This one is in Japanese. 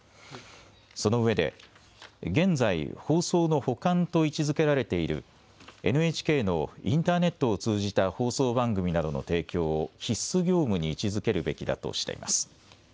そのうえで現在、放送の補完と位置づけられているＮＨＫのインターネットを通じた放送番組などの提供を必須業務に位置づけるべきだとしています。